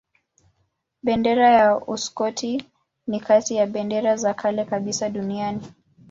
Bendera ya Uskoti ni kati ya bendera za kale kabisa duniani.